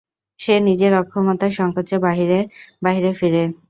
সে নিজের অক্ষমতার সংকোচে বাহিরে বাহিরে ফিরে।